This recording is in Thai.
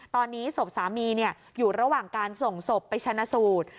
ตอนนี้ศพสามีอยู่ระหว่างการส่งศพไปชนะสูตร